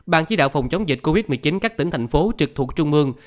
ban chí đạo phòng chống dịch covid một mươi chín các tỉnh thành phố trực thuộc trung mương